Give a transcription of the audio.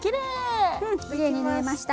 うんきれいに縫えました。